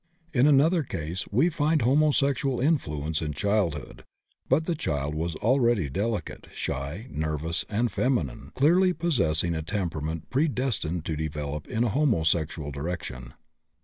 In another case we find homosexual influence in childhood, but the child was already delicate, shy, nervous, and feminine, clearly possessing a temperament predestined to develop in a homosexual direction.